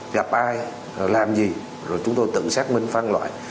gặp ai làm gì rồi chúng tôi tự xác minh phân loại